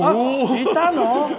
いたの？